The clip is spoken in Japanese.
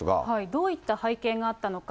どういった背景があったのか。